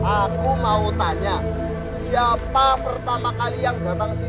aku mau tanya siapa pertama kali yang datang kesini